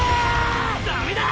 ダメだ！